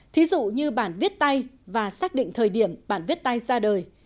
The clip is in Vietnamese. thí dụ như bản viết tay và xác định thời điểm bản viết tay ra đời